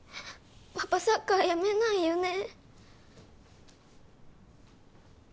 パパサッカー辞めないよね